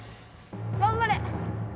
頑張れ！